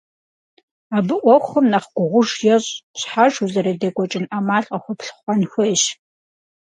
Абы Ӏуэхур нэхъ гугъуж ещӀ – щхьэж узэрыдекӀуэкӀын Ӏэмал къыхуэплъыхъуэн хуейщ.